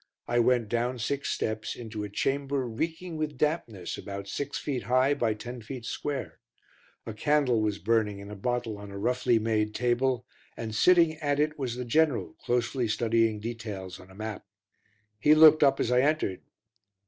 I went down six steps into a chamber reeking with dampness about six feet high by ten feet square; a candle was burning in a bottle on a roughly made table, and, sitting at it, was the General closely studying details on a map. He looked up as I entered.